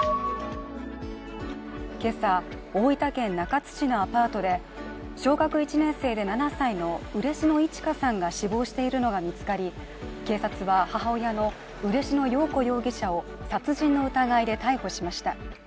今朝、大分県中津市のアパートで小学１年生で７歳の嬉野いち花さんが死亡しているのが見つかり、警察は母親の嬉野陽子容疑者を殺人の疑いで逮捕しました。